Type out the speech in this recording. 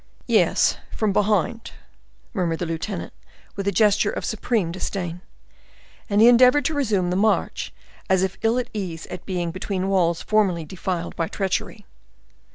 "Yes, from behind!" murmured the lieutenant, with a gesture of supreme disdain. And he endeavored to resume the march, as if ill at ease at being between walls formerly defiled by treachery.